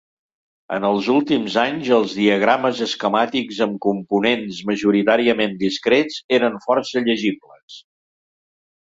En els últims anys, els diagrames esquemàtics amb components majoritàriament discrets eren força llegibles.